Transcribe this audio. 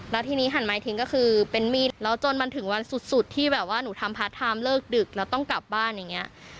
แล้วทีนี้หันไม้ทิ้งก็คือเป็นมีดแล้วจนมันถึงวันสุดที่แบบว่าหนูทำพาร์ทไทม์เลิกดึกแล้วต้องกลับบ้านอย่างนี้